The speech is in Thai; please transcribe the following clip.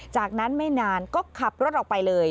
จากนั้นไม่นานก็ขับรถออกไปเลย